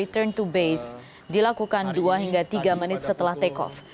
turn to base dilakukan dua hingga tiga menit setelah take off